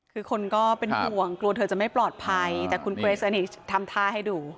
คือคนก็เป็นห่วงกลัวเธอจะไม่ปลอดภัยแต่คุณเกรสนิททำท่าให้ดู